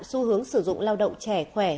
xu hướng sử dụng lao động trẻ khỏe